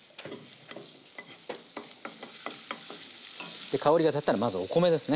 で香りがたったらまずお米ですね。